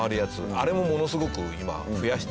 あれもものすごく今増やしてて。